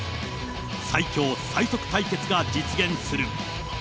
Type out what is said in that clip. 最強最速対決が実現する。